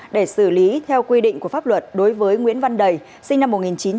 để xử lý theo quy định của pháp luật đối với nguyễn văn đầy sinh năm một nghìn chín trăm tám mươi